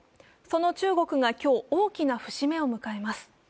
その中国が今日、大きな節目を迎えます。